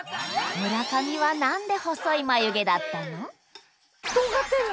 村上はなんで細い眉毛だったの？